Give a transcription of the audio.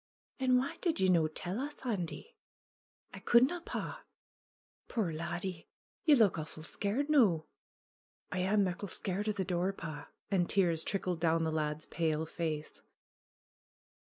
"And wha' did ye no' tell us, Andy ?" 'T coudna, pa." "Puir laddie ! Ye look awfu' scared noo I" "I am muckle scared of the door, pa." And tears trickled down the lad's pale face.